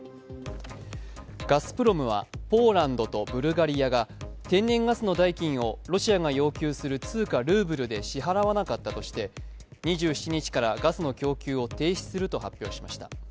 ガスプロムはポーランドとブルガリアが天然ガスの代金をロシアが要求する通貨ルーブルで支払わなかったとして２７日からガスの供給を停止すると発表しました。